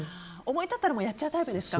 思い立ったらやっちゃうタイプですか。